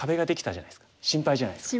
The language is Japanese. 心配じゃないですか。